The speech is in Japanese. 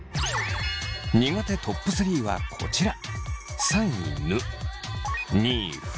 苦手トップ３はこちら。